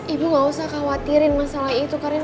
ibu gak usah khawatirin masalah itu karena